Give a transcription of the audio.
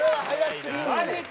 マジか？